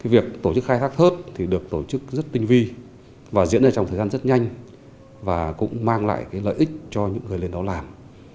việc tổ chức khai thác hớt được tổ chức rất tinh vi và diễn ra trong thời gian rất nhanh và cũng mang lại lợi ích cho những người lên đó làm